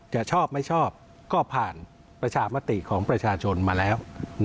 จะชอบไม่ชอบก็ผ่านประชามติของประชาชนมาแล้ว